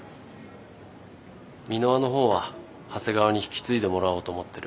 美ノ和の方は長谷川に引き継いでもらおうと思ってる。